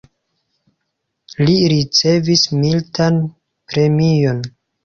Li ricevis militan premion.